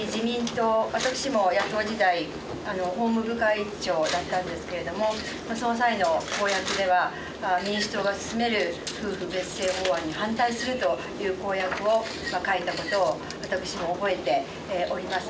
私も野党時代法務部会長だったんですけれどもその際の公約では民主党が進める夫婦別姓法案に反対するという公約を書いたことを私も覚えております。